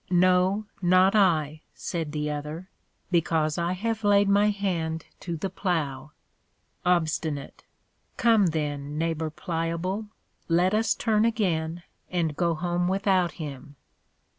No, not I, said the other, because I have laid my hand to the Plow. OBST. Come then, Neighbor Pliable, let us turn again, and go home without him.